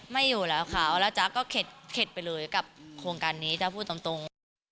ไม่อยู่แล้วค่ะแล้วจ๊ะก็เข็ดไปเลยกับโครงการนี้ถ้าพูดตรง